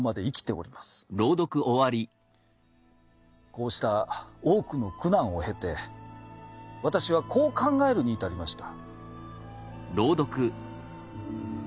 こうした多くの苦難を経て私はこう考えるに至りました。